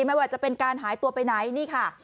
ไม่ว่าจะเป็นการหายตัวไปไหนนี่ค่ะ